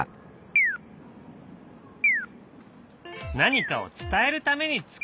何かを伝えるために作られた音。